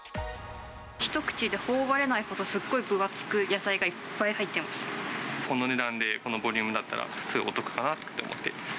一口でほおばれないほどすっごい分厚く、野菜がいっぱい入っこの値段でこのボリュームだったらすごいお得かなと思って。